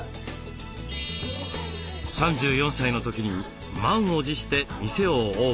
３４歳の時に満を持して店をオープン。